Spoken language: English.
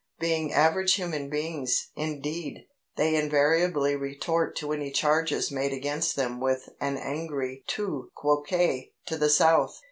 Being average human beings, indeed, they invariably retort to any charges made against them with an angry tu quoque to the South.